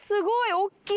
大っきい！